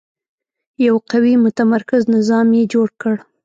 یو قوي متمرکز نظام یې جوړ کړ.